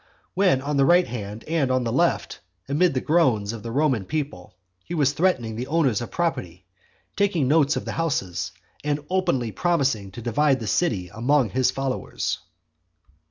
when on the right hand and on the left, amid the groans of the Roman people, he was threatening the owners of property, taking notes of the houses, and openly promising to divide the city among his followers.